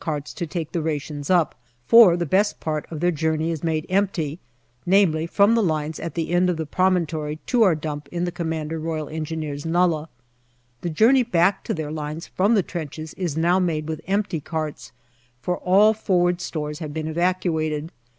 carts to take the rations up, for the best part of their journey is made empty, namely from the lines at the end of the promontory to our dump in the C.R.E. nullah. The journey back to their lines from the trenches is now made with empty carts, for all forward stores have been evacuated.